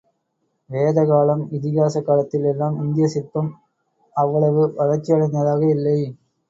வேதகாலம், இதிகாச காலத்தில் எல்லாம் இந்தியச் சிற்பம் அவ்வளவு வளர்ச்சியடைந்ததாக இல்லை.